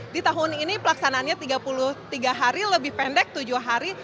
di tahun ini pelaksanaannya tiga puluh tiga hari lebih pendek tujuh hari